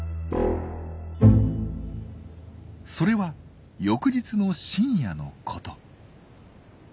それは翌日の深夜のこと。